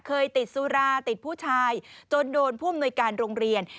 เคยติดสุราติดผู้ชายจนโดนผู้อำนวยการโรงเรียน